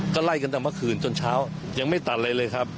ก็ไล่กันตั้งต้านพะคืนจนเช้ายังไม่ตัดเรื่อยเลยครับ